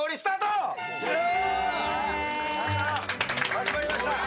始まりました。